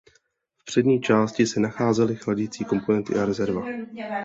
V přední části se nacházely chladicí komponenty a rezerva.